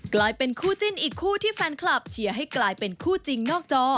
กลายเป็นคู่จิ้นอีกคู่ที่แฟนคลับเชียร์ให้กลายเป็นคู่จริงนอกจอ